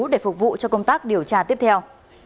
để phục vụ cho công tác điều tra tiếp theo